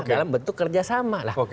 dalam bentuk kerjasama lah